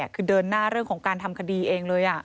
คือเดินหน้าเรื่องของการทำคดีเองเลย